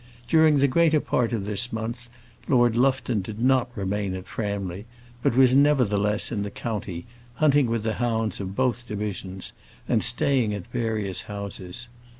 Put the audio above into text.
During the greater part of this month Lord Lufton did not remain at Framley, but was nevertheless in the county, hunting with the hounds of both divisions, and staying at various houses.